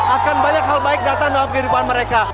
akan banyak hal baik datang dalam kehidupan mereka